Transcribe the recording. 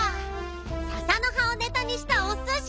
ササのはをネタにしたおすし。